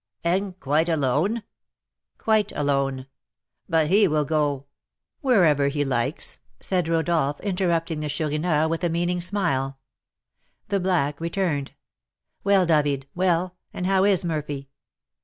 "And quite alone?" "Quite alone." "But he will go " "Wherever he likes," said Rodolph, interrupting the Chourineur with a meaning smile. The black returned. "Well, David, well, and how is Murphy?"